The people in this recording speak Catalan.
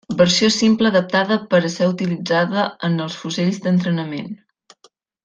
Versió simple adaptada per a ser utilitzada en els fusells d'entrenament.